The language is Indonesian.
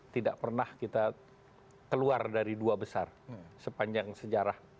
tidak pernah kita keluar dari dua besar sepanjang sejarah